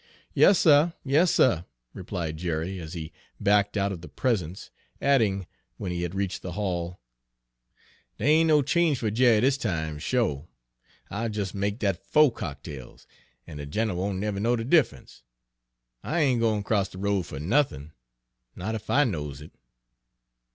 "Yas, suh; yas, suh," replied Jerry, as he backed out of the presence, adding, when he had reached the hall: "Dere ain' no change fer Jerry dis time, sho': I'll jes' make dat fo' cocktails, an' de gin'l won't never know de diffe'nce. I ain' gwine 'cross de road fer nothin', not ef I knows it."